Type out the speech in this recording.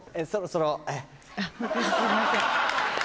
そろそろ。